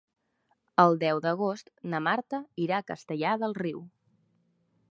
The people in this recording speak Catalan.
El deu d'agost na Marta irà a Castellar del Riu.